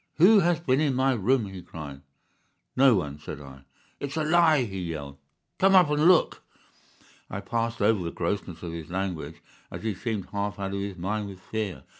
"'Who has been in my room?' he cried. "'No one,' said I. "'It's a lie! He yelled. 'Come up and look!' "I passed over the grossness of his language, as he seemed half out of his mind with fear.